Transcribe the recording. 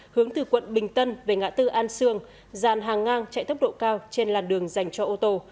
hướng từ quận bình tân về ngã tư an sương dàn hàng ngang chạy tốc độ cao trên làn đường dành cho ô tô